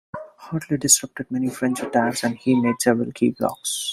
Hartley disrupted many French attacks and he made several key blocks.